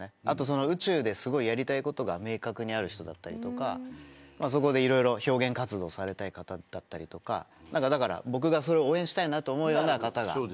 あとは、宇宙ですごいやりたいことが明確にある人だったりとかそこで、いろいろ表現活動をされたい方だったりとか僕がそこで応援したいなと思うような方が。